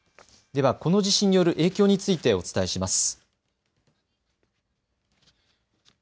ではこの地震による影響についてお伝えします。